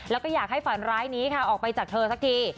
แล้วก็อยากให้ฝันร้ายนี้ค่ะออกไปจากเธอสักที